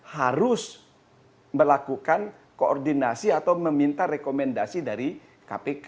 harus melakukan koordinasi atau meminta rekomendasi dari kpk